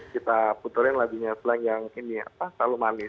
kita puturin lagunya slang yang ini apa terlalu manis